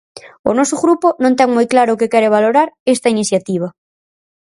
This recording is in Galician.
O noso grupo non ten moi claro o que quere valorar esta iniciativa.